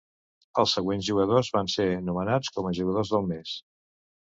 Els següents jugadors van ser nomenats com a jugadors del mes.